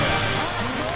すごい！